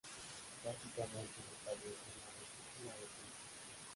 Básicamente se establece una retícula de puntos.